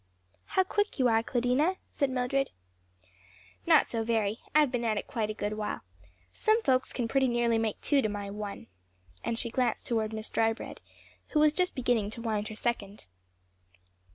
"How quick you are, Claudina," said Mildred. "Not so very; I've been at it quite a good while. Some folks can pretty nearly make two to my one." And she glanced toward Miss Drybread who was just beginning to wind her second.